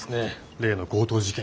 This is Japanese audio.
例の強盗事件。